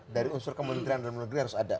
dari unsur kementerian dalam negeri harus ada